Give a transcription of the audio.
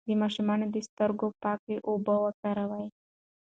د ماشوم د سترګو پاکې اوبه وکاروئ.